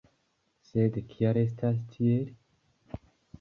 Sed kial estas tiel?